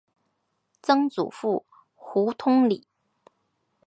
曾祖父胡通礼。